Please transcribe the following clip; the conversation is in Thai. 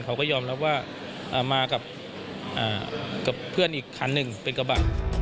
เขาก็ยอมรับว่ามากับเพื่อนอีกคันหนึ่งเป็นกระบะ